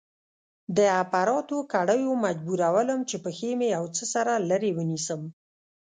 د اپراتو کړيو مجبورولم چې پښې مې يو څه سره لرې ونيسم.